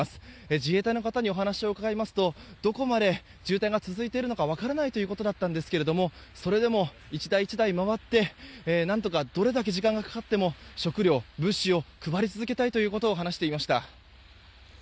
自衛隊の方にお話を伺いますとどこまで渋滞が続いているのか分からないということでしたがそれでも、１台１台回って何とかどれだけ時間がかかっても食料、物資を配り続けたいと話していました。